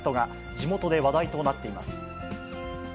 地元で話題となっています。